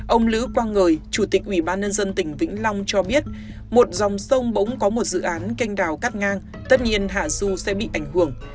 ông lữ quang ngời chủ tịch ubnd tỉnh vĩnh long cho biết một dòng sông bỗng có một dự án canh đào cắt ngang tất nhiên hạ du sẽ bị ảnh hưởng